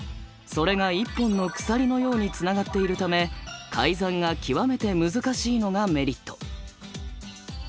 それが一本の鎖のようにつながっているため改ざんが極めて難しいのがメリット。